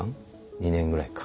２年ぐらいか。